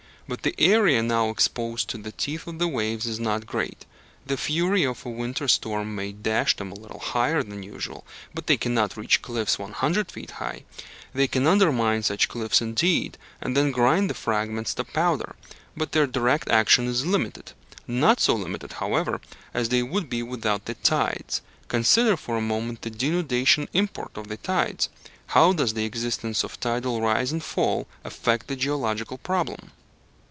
But the area now exposed to the teeth of the waves is not great. The fury of a winter storm may dash them a little higher than usual, but they cannot reach cliffs 100 feet high. They can undermine such cliffs indeed, and then grind the fragments to powder, but their direct action is limited. Not so limited, however, as they would be without the tides. Consider for a moment the denudation import of the tides: how does the existence of tidal rise and fall affect the geological problem?